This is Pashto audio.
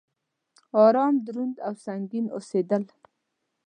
ارام، دروند او سنګين اوسيدل